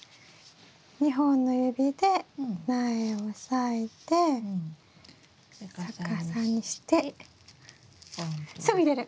２本の指で苗を押さえて逆さにしてすぐ入れる！